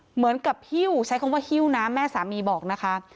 เหมือนกับหิ้วใช้คำว่าหิ้วนะแม่สามีบอกนะคะ